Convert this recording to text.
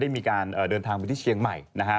ได้มีการเดินทางไปที่เชียงใหม่